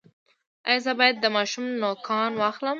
ایا زه باید د ماشوم نوکان واخلم؟